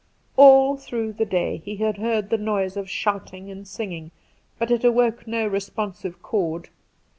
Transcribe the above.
All through the day he had heard the noise of shouting and singing, but it awoke no responsive chord.